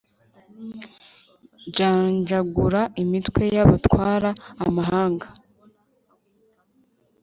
janjagura imitwe y'abatwara amahanga